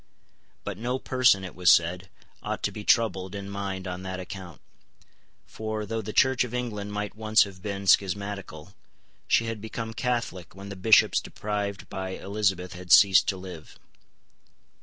But no person, it was said, ought to be troubled in mind on that account; for, though the Church of England might once have been schismatical, she had become Catholic when the Bishops deprived by Elizabeth had ceased to live.